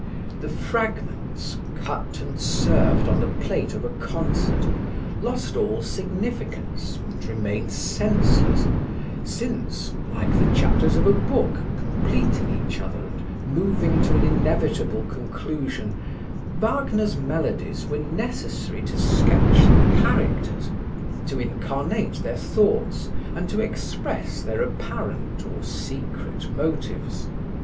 The fragments, cut and served on the plate of a concert, lost all significance and remained senseless, since (like the chapters of a book, completing each other and moving to an inevitable conclusion) Wagner's melodies were necessary to sketch the characters, to incarnate their thoughts and to express their apparent or secret motives.